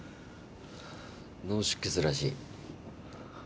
脳出血らしい。